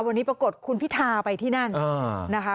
วันนี้ปรากฏคุณพิธาไปที่นั่นนะคะ